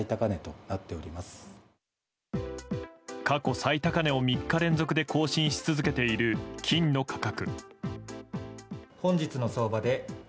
過去最高値を３日連続で更新し続けている金の価格。